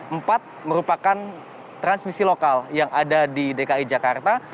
empat merupakan transmisi lokal yang ada di dki jakarta